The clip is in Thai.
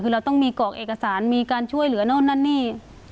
คือเราต้องมีกรอกเอกสารมีการช่วยเหลือโน่นนั่นนี่